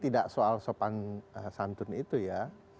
tidak soal sopan santun itu ya